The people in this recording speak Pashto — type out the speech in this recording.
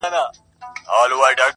له ما جوړي بنګلې ښکلي ښارونه!!